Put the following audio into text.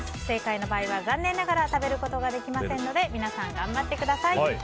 正解の場合は残念ながら食べることができませんので皆さん、頑張ってください。